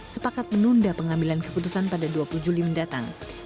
sepakat menunda pengambilan keputusan pada dua puluh juli mendatang